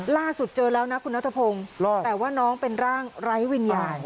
ล่าสุดเจอแล้วนะคุณนัทพงศ์แต่ว่าน้องเป็นร่างไร้วิญญาณ